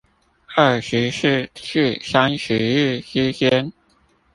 二十四至三十日之間